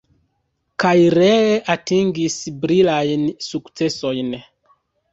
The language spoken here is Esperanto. Kaj ree atingis brilajn sukcesojn.